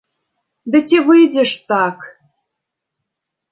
Ды ці выйдзе ж так?